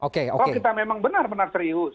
kalau kita memang benar benar serius